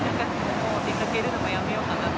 出かけるのもやめようかなって。